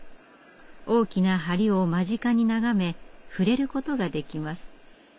大きな梁を間近に眺め触れることができます。